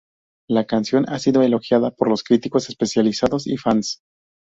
La canción ha sido elogiada por los críticos especializados y fans.